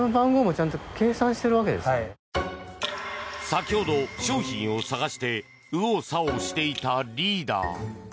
先ほど、商品を探して右往左往していたリーダー。